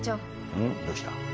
うんどうした？